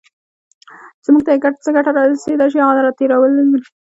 چې موږ ته یې څه ګټه رسېدای شي، هغه راتېرول وي ډیر په ګرانه